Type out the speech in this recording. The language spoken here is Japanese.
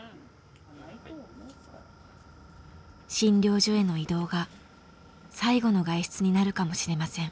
診療所への移動が最後の外出になるかもしれません。